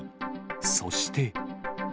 そして。